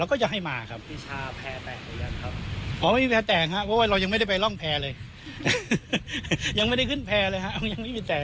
ความสั่งของเราก็ให้มา